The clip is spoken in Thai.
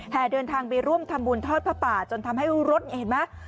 เดินทางไปร่วมทำบุญทอดผ้าป่าจนทำให้รถนี่เห็นไหม